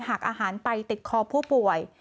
หากอาหารไปติดคอผู้ป่วย